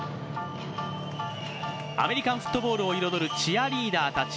アメリカンフットボールを彩るチアリーダーたち。